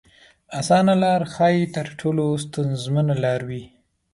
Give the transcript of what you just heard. اسانه لار ښايي تر ټولو ستونزمنه لار وي.